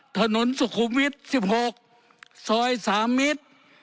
ถนนสุขุมวิทย์๑๖ซอย๓มิตร